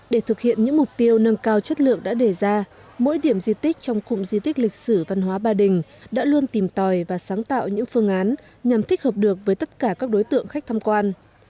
để thực hiện những mục tiêu nâng cao chất lượng đã đề ra mỗi điểm di tích trong cụm di tích lịch sử văn hóa ba đình đã luôn tìm tòi và sáng tạo những phương án nhằm thích hợp được với tất cả các đối tượng khách tham quan